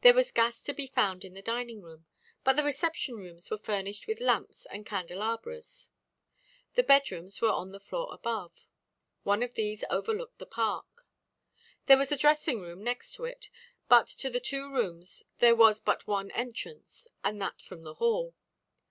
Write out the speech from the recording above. There was gas to be found in the dining room, but the reception rooms were furnished with lamps and candelabras. The bed rooms were on the floor above. One of these overlooked the park. There was a dressing room next to it, but to the two rooms there was but one entrance, and that from the hall.